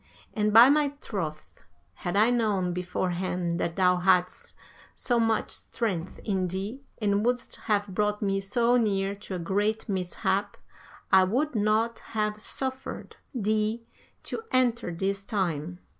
And by my troth, had I known beforehand that thou hadst so much strength in thee, and wouldst have brought me so near to a great mishap, I would not have suffered thee to enter this time.